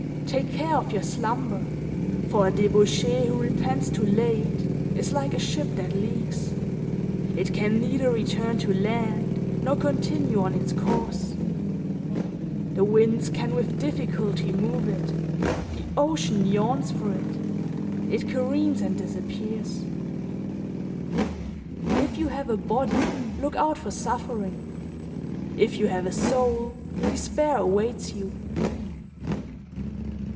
Take care of your slumber, for a debauchee who repents too late is like a ship that leaks: it can neither return to land nor continue on its course; the winds can with difficulty move it, the ocean yawns for it, it careens and disappears. If you have a body, look out for suffering; if you have a soul, despair awaits you.